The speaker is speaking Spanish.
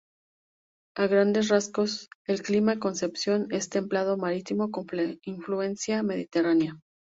A grandes rasgos, el clima de Concepción es templado marítimo con influencia mediterránea.